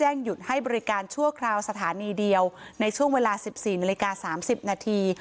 หยุดให้บริการชั่วคราวสถานีเดียวในช่วงเวลา๑๔นาฬิกา๓๐นาที